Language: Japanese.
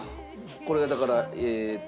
これがだからえっと